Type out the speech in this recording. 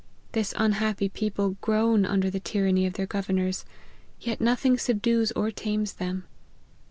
This unfiappy people groan under the tyranny of their governors ; yet nothing subdues or tames them.